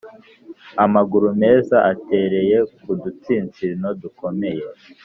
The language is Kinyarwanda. amaguru meza atereye ku dutsinsino dukomeye.